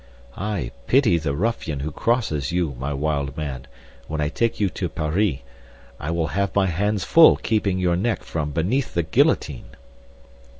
"I pity the ruffian who crosses you, my wild man, when I take you to Paris. I will have my hands full keeping your neck from beneath the guillotine."